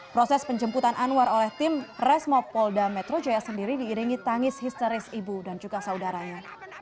proses penjemputan anwar oleh tim resmo polda metro jaya sendiri diiringi tangis histeris ibu dan juga saudaranya